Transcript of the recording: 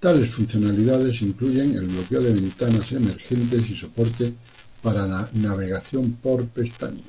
Tales funcionalidades incluyen el bloqueo de ventanas emergentes y soporte para navegación por pestañas.